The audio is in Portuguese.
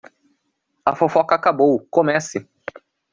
A fofoca acabou, comece!